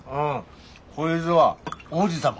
こいづは王子様。